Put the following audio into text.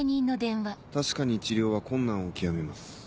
確かに治療は困難を極めます。